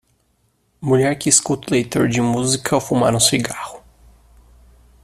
Mulher que escuta o leitor de música ao fumar um cigarro.